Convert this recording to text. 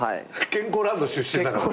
健康ランド出身だから。